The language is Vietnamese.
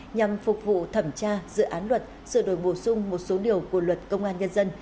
nhằm phục vụ thẩm tra dự án luật sửa đổi bổ sung một số điều của luật công an nhân dân